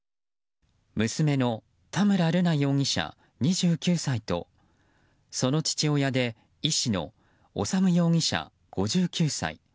娘の田村瑠奈容疑者、２９歳とその父親で医師の修容疑者、５９歳。